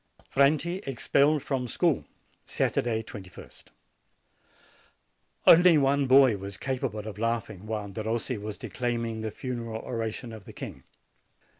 FRANTI EXPELLED FROM SCHOOL Saturday, 2ist. Only one boy was capable of laughing while Derossi was declaiming the funeral oration of the king.